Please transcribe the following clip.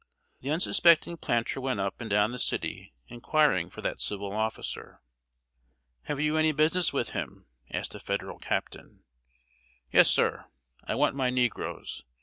The unsuspecting planter went up and down the city inquiring for that civil officer. "Have you any business with him?" asked a Federal captain. "Yes, sir. I want my negroes.